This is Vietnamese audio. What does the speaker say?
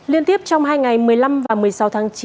liên tiếp trong hai ngày một mươi năm và một mươi sáu tháng chín